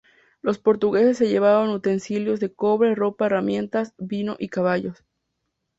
Los portugueses se llevaron utensilios de cobre, ropa, herramientas, vino y caballos.